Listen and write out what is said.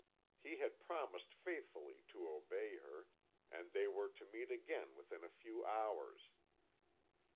He had promised faithfully to obey her, and they were to meet again within a few hours.